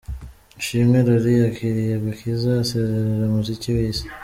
Ishimwe Lorie yakiriye agakiza asezerera umuziki w'isi.